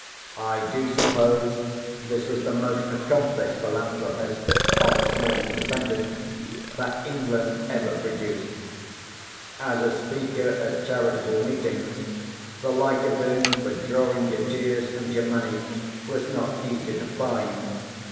I do suppose this was the most accomplished philanthropist (on a small independence) that England ever produced. As a speaker at charitable meetings the like of him for drawing your tears and your money was not easy to find.